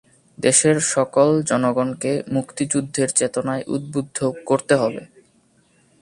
দেশের সকল জনগণকে মুক্তিযুদ্ধের চেতনায় উদ্বুদ্ধ করতে হবে।